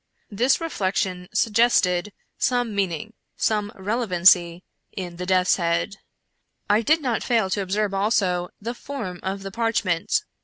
This reflec tion suggested some meaning — some relevancy — in the death's head. I did not fail to observe, also, the form of the parchment.